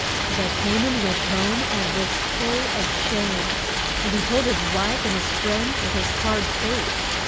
But Ha man went home, and was full of shame. And he told his wife and his friends of his hard fate.